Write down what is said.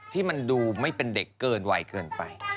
ที่มันดูไม่เป็นเด็กเกินวัยเกินไป